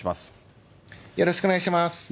よろしくお願いします。